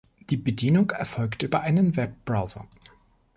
Die Bedienung erfolgt über einen Webbrowser.